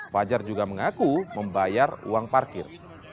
fajar juga mengaku membayar uang parkir